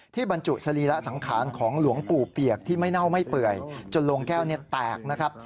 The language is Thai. บรรจุสรีระสังขารของหลวงปู่เปียกที่ไม่เน่าไม่เปื่อยจนโลงแก้วแตกนะครับ